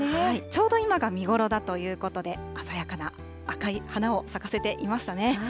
ちょうど今が見頃だということで、鮮やかな赤い花を咲かせていましたね。